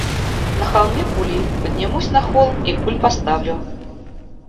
На холме кули, поднимусь на холм и куль поставлю.